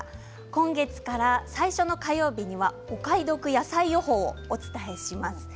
今月から、最初の火曜日にはお買い得野菜予報をお伝えします。